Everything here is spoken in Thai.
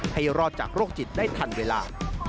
ให้รอดจากโรคจิตได้ทันเวลา